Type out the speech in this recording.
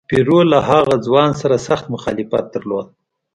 پیرو له هغه ځوان سره سخت مخالفت درلود.